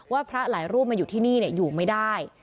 พระหลายรูปมาอยู่ที่นี่อยู่ไม่ได้